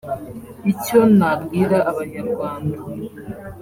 Icyo nabwira abanyarwanda